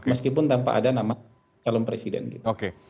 meskipun tanpa ada nama calon presiden gitu